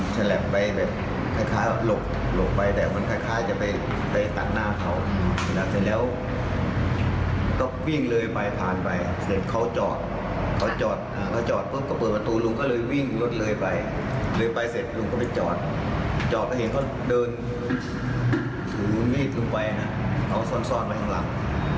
จอบแล้วเห็นเขาเดินถือมีดลุงไปนะเขาซ่อนซ่อนไปข้างหลัง